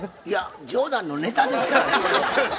いや冗談のネタですからね